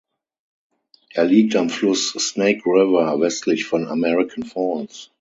Er liegt am Fluss Snake River westlich von American Falls.